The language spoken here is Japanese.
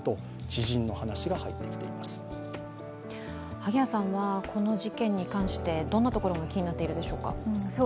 萩谷さんはこの事件に関してどんなところが気になっているでしょうか。